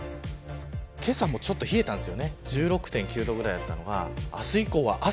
けさも、ちょっと冷えたんです。